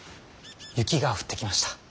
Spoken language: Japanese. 雪が降ってきました。